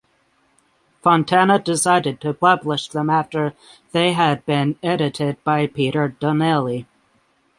Fontana decided to publish them after they had been edited by Peter Donnelly.